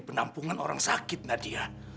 kenampungan orang sakit nadia